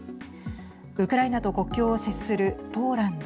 ウクライナと国境を接するポーランド。